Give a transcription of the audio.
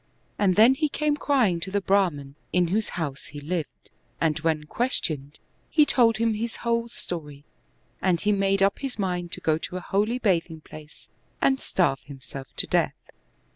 And then he came crying to the Brahman, in whose house he lived, and when questioned, he told him his whole story : and he made up his mind to go to a holy bathing place, and starve himself to death.